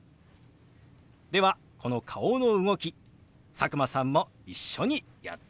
ではこの顔の動き佐久間さんも一緒にやってみましょう！